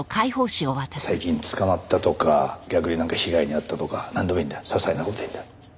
最近捕まったとか逆になんか被害に遭ったとかなんでもいいんだ些細な事でいいんだ。